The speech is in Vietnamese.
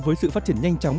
với sự phát triển nhanh chóng